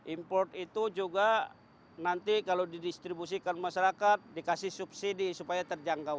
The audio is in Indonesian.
import itu juga nanti kalau didistribusikan masyarakat dikasih subsidi supaya terjangkau